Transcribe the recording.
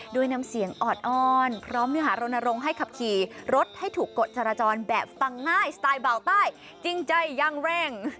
โดยนำเสียงออดอ้อนพร้อมเนื้อหารณรงค์ให้ขับขี่รถให้ถูกกดจราจรแบบฟังง่ายสไตล์เบาใต้จริงใจยังเร่ง